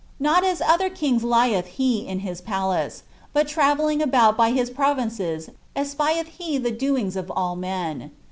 Not as otiier kings Uelh he in his palace, but travelling about bjr Im provinces espielh he the doings of all men.